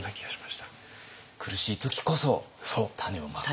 苦しい時こそ種をまく。